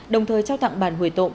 đồng thời trao tặng bản hủy tộng